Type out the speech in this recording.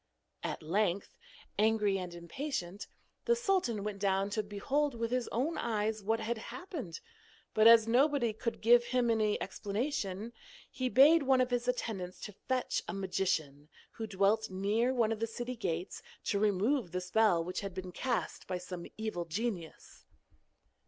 At length, angry and impatient, the sultan went down to behold with his own eyes what had happened, but as nobody could give him any explanation, he bade one of his attendants to fetch a magician, who dwelt near one of the city gates, to remove the spell which had been cast by some evil genius.